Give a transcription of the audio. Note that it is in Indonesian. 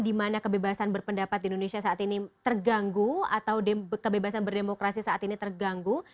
dimana kebebasan berpendapat di indonesia saat ini terganggu atau kebebasan berdemokrasi saat ini terganggu